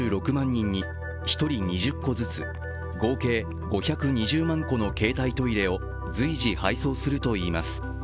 人に１人２０個ずつ、合計５２０万個の携帯トイレを随時配送するといいます。